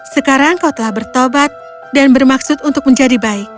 sekarang kau telah bertobat dan bermaksud untuk menjadi baik